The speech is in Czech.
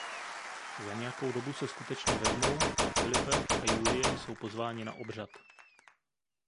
Za nějakou dobu se skutečně vezmou a Philippe a Julie jsou pozváni na obřad.